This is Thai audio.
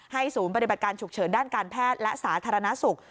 ศูนย์ปฏิบัติการฉุกเฉินด้านการแพทย์และสาธารณสุข